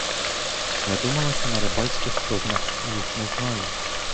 Я думала, що на рибальських човнах їх не знають.